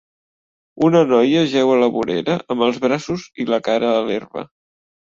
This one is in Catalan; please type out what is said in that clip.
Una noia jeu a la vorera amb els braços i la cara a l'herba.